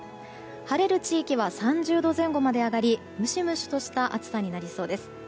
晴れる地域は３０度前後まで上がりムシムシとした暑さになりそうです。